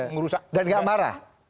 ngerusak dan nggak marah